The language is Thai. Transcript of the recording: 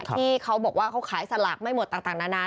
ที่เขาบอกว่าเขาขายสลากไม่หมดต่างนานา